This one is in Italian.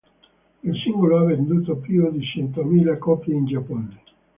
Il singolo ha venduto più di centomila copie in Giappone.